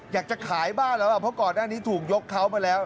อยากจะขายบ้านแล้วล่ะเพราะก่อนหน้านี้ถูกยกเขามาแล้ว